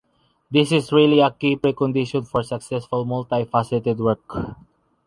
This is really a key precondition for successful multifaceted work.